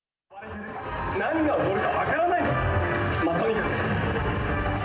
何が起こるか分からないぞ。